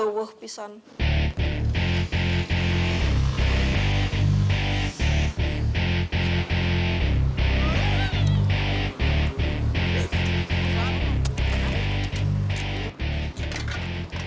eh wah pisah